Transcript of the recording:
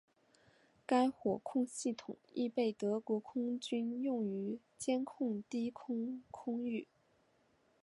该火控系统亦被德国空军用于监控低空空域。